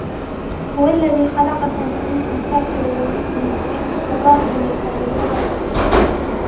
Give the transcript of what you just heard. هُوَ الَّذِي خَلَقَكُمْ فَمِنْكُمْ كَافِرٌ وَمِنْكُمْ مُؤْمِنٌ وَاللَّهُ بِمَا تَعْمَلُونَ بَصِيرٌ